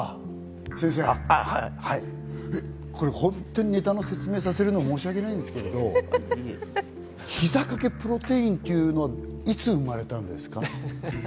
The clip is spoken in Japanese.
先生、これ本当に、ネタの説明させるのも申し訳ないんですけど、「ひざ掛けプロテイン」っていうのは、いつ生まれたんですか？